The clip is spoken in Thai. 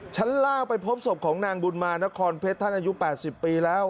ชั้นล่างไปพบศพของนางบุญมานครเพชรท่านอายุ๘๐ปีแล้ว